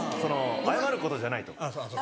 謝ることじゃないと。